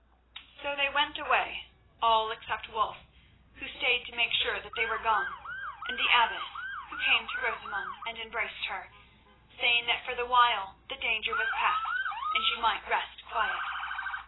So they went away, all except Wulf, who stayed to make sure that they were gone, and the abbess, who came to Rosamund and embraced her, saying that for the while the danger was past, and she might rest quiet.